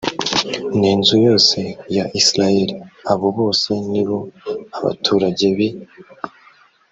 n inzu yose ya isirayeli abo bose ni bo abaturage b i